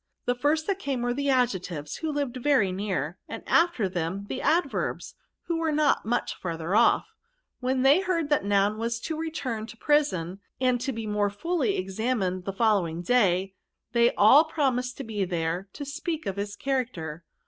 The first that came were the Adjec tives, who lived, very, near ; and after them the Adverbs, who were not much farther off. When they heard that Noun was to return to prison, and to be more fully examined the fol lowing day, they all promised to be there to speak to his character."